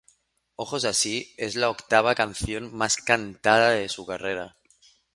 Ojos Así es la octava canción más cantada de su carrera.